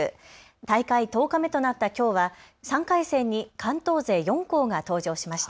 大会１０日目となったきょうは３回戦に関東勢４校が登場しました。